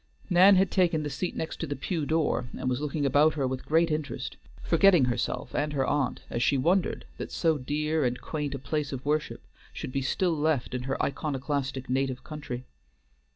Nan had taken the seat next the pew door, and was looking about her with great interest, forgetting herself and her aunt as she wondered that so dear and quaint a place of worship should be still left in her iconoclastic native country.